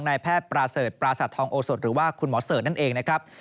นายแพทย์ประเสริฐปราศาสตทองโอสดหรือว่าคุณหมอเสิร์ชนั่นเองนะครับ